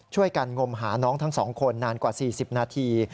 ช่วยกันงมหาน้องทั้งสองคนนานกว่า๔๐นาที